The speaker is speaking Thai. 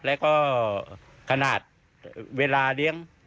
แล้วก็ขนาดเวลาเลี้ยง